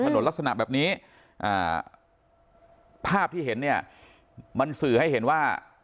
ลักษณะแบบนี้ภาพที่เห็นเนี่ยมันสื่อให้เห็นว่า